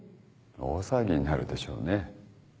大騒ぎになるでしょうね。